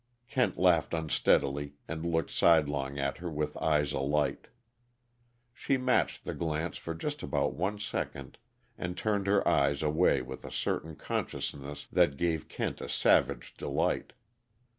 Kent laughed unsteadily, and looked sidelong at her with eyes alight. She matched the glance for just about one second, and turned her eyes away with a certain consciousness that gave Kent a savage delight.